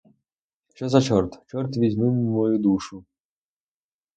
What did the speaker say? Що за чорт, чорт візьми мою душу!